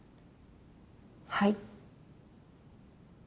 はい。